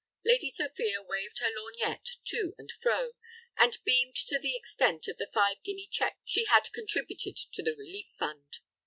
Lady Sophia waved her lorgnette to and fro, and beamed to the extent of the five guinea check she had contributed to the relief fund.